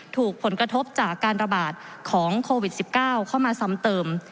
ถูกผลกระทบจากการระบาดของโควิด๑๙เข้ามาซ้ำเติม